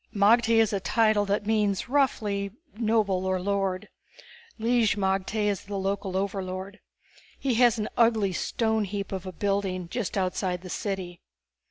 "Magte is a title that means roughly noble or lord. Lig magte is the local overlord. He has an ugly stoneheap of a building just outside the city.